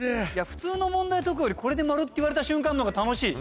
普通の問題解くよりこれでマルって言われた瞬間のほうが楽しい。